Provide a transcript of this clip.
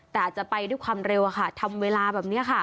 แต่อาจจะไปด้วยความเร็วทำเวลาแบบนี้ค่ะ